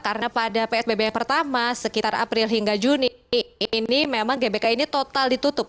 karena pada psbb yang pertama sekitar april hingga juni ini memang gbk ini total ditutup